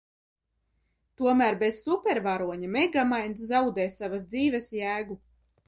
Tomēr bez supervaroņa Megamainds zaudē savas dzīves jēgu.